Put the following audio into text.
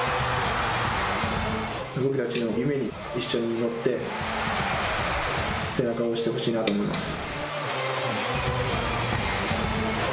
僕たちの夢に一緒に乗って、背中を押してほしいなと思います。